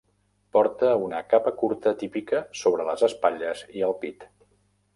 Porta una capa curta típica sobre les espatlles i el pit.